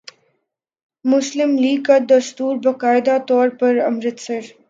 مسلم لیگ کا دستور باقاعدہ طور پر امرتسر